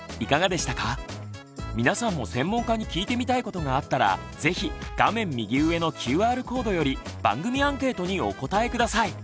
皆さんも専門家に聞いてみたいことがあったらぜひ画面右上のＱＲコードより番組アンケートにお答え下さい。